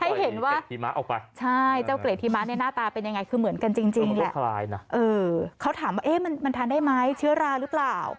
ให้เห็นว่าใช่เจ้าเกรดธีมะในหน้าตาเป็นยังไงคือเหมือนกันจริงแหละเออเขาถามว่าเอ๊ะมันทานได้ไหมเชื้อราหรือเปล่า